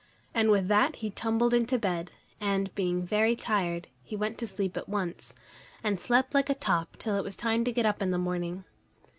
And with that he tumbled into bed, and, being very tired, he went to sleep at once, and slept like a top till it was time to get up in the morning.